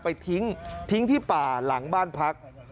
ไปทิ้งทิ้งที่ป่าหลังบ้านพัก